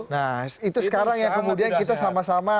nah itu sekarang yang kemudian kita sama sama